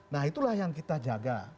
nah itulah yang kita jaga